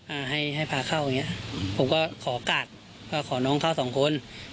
อ่าให้ให้พาเข้าอย่างเงี้ยผมก็ขอกาดว่าขอน้องเข้าสองคน